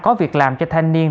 có việc làm cho thanh niên